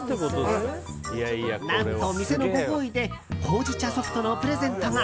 何と、店のご厚意でほうじ茶ソフトのプレゼントが。